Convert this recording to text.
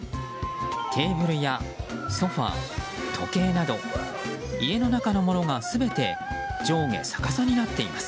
テーブルやソファ、時計など家の中のものが全て上下逆さになっています。